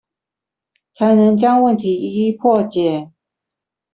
才能將問題一一破解